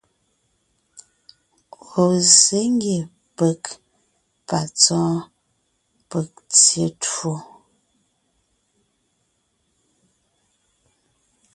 Ɔ̀ zsě ngie peg ,patsɔ́ɔn, peg tyé twó.